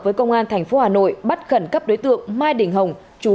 với công an thành phố hà nội bắt khẩn cấp đối tượng